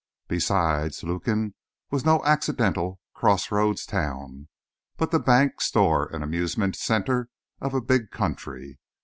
Besides, Lukin was no accidental, crossroads town, but the bank, store, and amusement center of a big country.